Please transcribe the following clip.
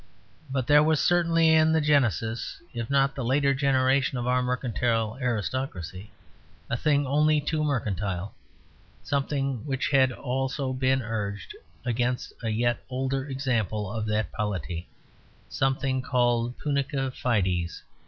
But there was certainly in the genesis, if not in the later generations of our mercantile aristocracy, a thing only too mercantile; something which had also been urged against a yet older example of that polity, something called Punica fides.